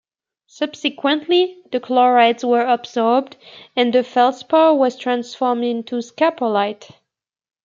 Subsequently the chlorides were absorbed, and the feldspar was transformed into scapolite.